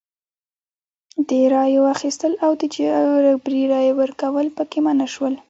د رایو اخیستل او د جبري رایې کارول پکې منع شول.